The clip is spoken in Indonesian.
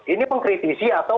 ini mengkritisi atau